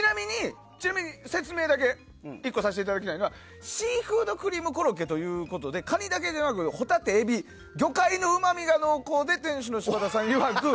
ちなみに説明だけ１個させていただきたいのはシーフードクリームコロッケということでカニだけではなく、ホタテ、エビ魚介のうまみが濃厚で店主の柴田さんいわく。